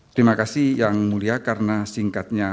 terima kasih yang mulia karena singkatnya